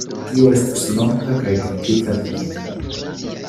Tio estas longa kaj komplika devio.